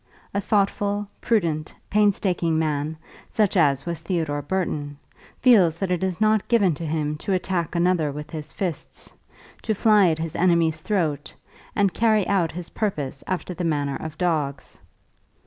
A thoughtful, prudent, painstaking man, such as was Theodore Burton, feels that it is not given to him to attack another with his fists, to fly at his enemy's throat, and carry out his purpose after the manner of dogs.